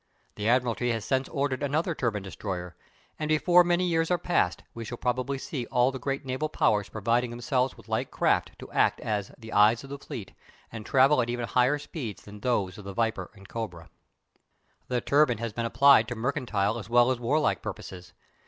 The Admiralty has since ordered another turbine destroyer, and before many years are past we shall probably see all the great naval powers providing themselves with like craft to act as the "eyes of the fleet," and travel at even higher speeds than those of the Viper and Cobra. The turbine has been applied to mercantile as well as warlike purposes.